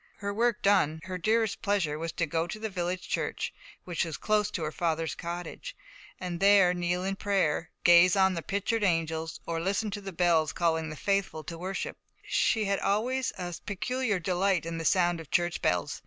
Her work done, her dearest pleasure was to go to the village church, which was close to her father's cottage, and there kneel in prayer, gaze on the pictured angels, or listen to the bells calling the faithful to worship: she had always a peculiar delight in the sound of church bells.